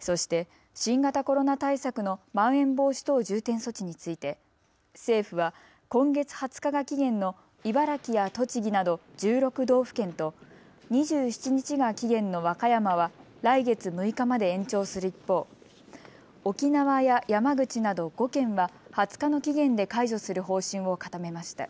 そして新型コロナ対策のまん延防止等重点措置について政府は今月２０日が期限の茨城や栃木など１６道府県と２７日が期限の和歌山は来月６日まで延長する一方、沖縄や山口など５県は２０日の期限で解除する方針を固めました。